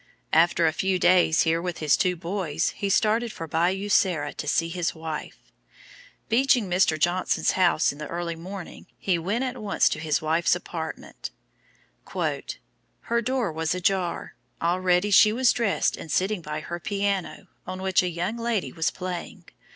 After a few days here with his two boys, he started for Bayou Sara to see his wife. Beaching Mr. Johnson's house in the early morning, he went at once to his wife's apartment: "Her door was ajar, already she was dressed and sitting by her piano, on which a young lady was playing.